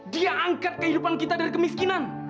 dia angkat kehidupan kita dari kemiskinan